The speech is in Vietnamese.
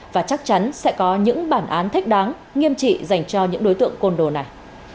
và chắc chắn sẽ có những bản án thích đáng nghiêm trị dành cho những đối tượng côn đồ này